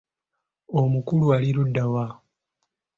Omukulu ali ludda wa?